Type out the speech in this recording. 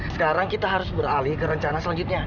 sekarang kita harus beralih ke rencana selanjutnya